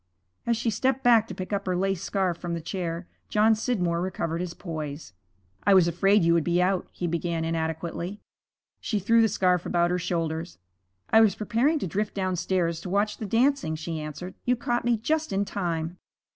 As she stepped back to pick up her lace scarf from the chair, John Scidmore recovered his poise. 'I was afraid you would be out,' he began inadequately. She threw the scarf about her shoulders. 'I was preparing to drift downstairs to watch the dancing,' she answered. 'You caught me just in time.'